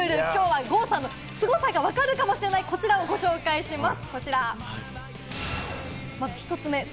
きょうは郷さんのすごさが分かるかもしれない、こちらをご紹介します。